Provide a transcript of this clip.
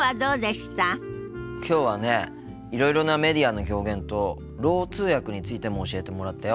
きょうはねいろいろなメディアの表現とろう通訳についても教えてもらったよ。